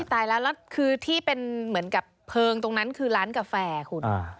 ตายแล้วแล้วคือที่เป็นเหมือนกับเพลิงตรงนั้นคือร้านกาแฟคุณ